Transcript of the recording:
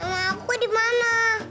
emang aku dimana